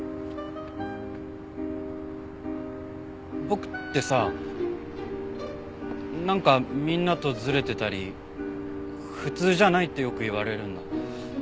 僕ってさなんかみんなとズレてたり普通じゃないってよく言われるんだ。